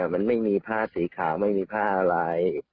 มันไม่มีผ้าสีขาวไม่มีผ้าอะไร